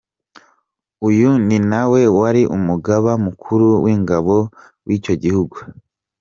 Uyu ni na we wari umugaba mukuru w’ingabo w’icyo gihugu.